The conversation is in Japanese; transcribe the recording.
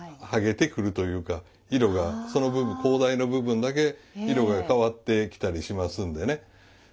はげてくるというか色がその部分高台の部分だけ色が変わってきたりしますんでね。